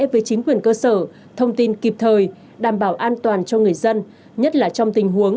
với chính quyền cơ sở thông tin kịp thời đảm bảo an toàn cho người dân nhất là trong tình huống